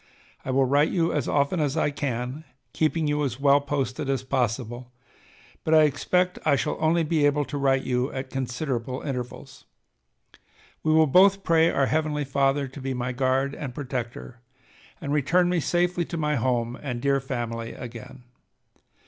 I will write you as often as I can, keeping you as well posted as possible, but I expect I shall only be able to write you at considerable intervals.... We will both pray our Heavenly Father to be my guard and protector, and return me safely to my home and dear family again.